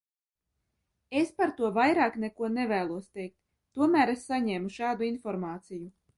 Es par to vairāk neko nevēlos teikt, tomēr es saņēmu šādu informāciju.